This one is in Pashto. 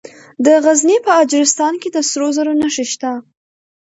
د غزني په اجرستان کې د سرو زرو نښې شته.